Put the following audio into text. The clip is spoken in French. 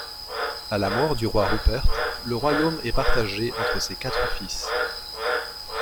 À la mort du roi Rupert, le royaume est partagé entre ses quatre fils.